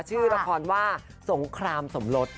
ชื่อละครว่าสงครามสมรส